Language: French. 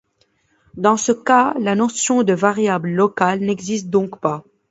Dans ce cas, la notion de variable locale n'existe donc pas.